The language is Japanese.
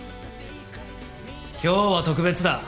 今日は特別だ。